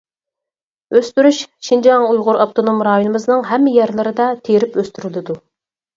ئۆستۈرۈش شىنجاڭ ئۇيغۇر ئاپتونوم رايونىمىزنىڭ ھەممە يەرلىرىدە تېرىپ ئۆستۈرۈلىدۇ.